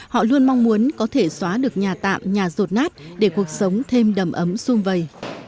họ luôn mong muốn có thể xóa được nhà tạm nhà rột nát để cuộc sống thêm đầm ấm sung vầy